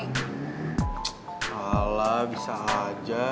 ck ala bisa aja